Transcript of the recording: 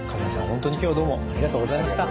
本当に今日はどうもありがとうございました。